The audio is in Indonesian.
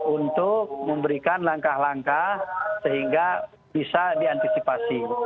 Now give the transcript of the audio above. untuk memberikan langkah langkah sehingga bisa diantisipasi